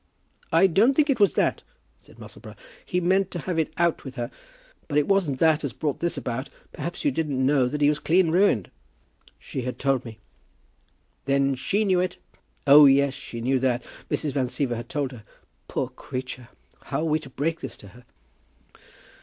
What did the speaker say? "I don't think it was that," said Musselboro. "He meant to have had it out with her; but it wasn't that as brought this about. Perhaps you didn't know that he was clean ruined?" "She had told me." "Then she knew it?" "Oh, yes; she knew that. Mrs. Van Siever had told her. Poor creature! How are we to break this to her?"